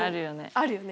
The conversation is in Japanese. あるよね。